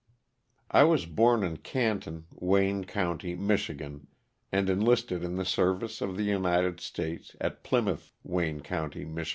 T WAS born in Canton, Wayne county, Mich<, and * enlisted in the service of the United States, at Plymouth, Wayne county, Mich.